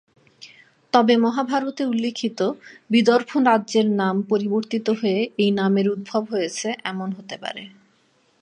তবে মহাভারতে উল্লিখিত বিদর্ভ রাজ্যের নাম পরিবর্তিত হয়ে এই নামের উদ্ভব হয়েছে এমন হতে পারে।